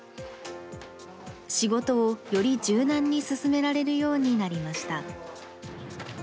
仕事をより柔軟に進められるようになりました。